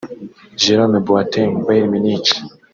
Jerome Boateng (Bayern Munich)